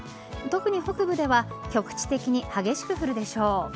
特に、北部では局地的に激しく降るでしょう。